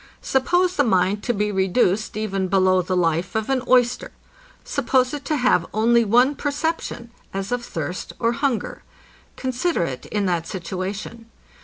Suppose the mind to be reduced even below the life of an oyster. Suppose it to have only one perception, as of thirst or hunger. Consider it in that situation.